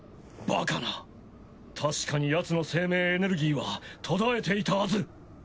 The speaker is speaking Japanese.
バカなたしかにヤツの生命エネルギーは途絶えていたはず。